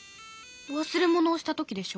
忘れ物をした時でしょ。